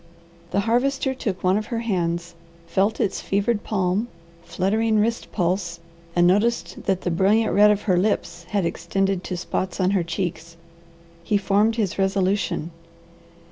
The Harvester took one of her hands, felt its fevered palm, fluttering wrist pulse, and noticed that the brilliant red of her lips had extended to spots on her cheeks. He formed his resolution.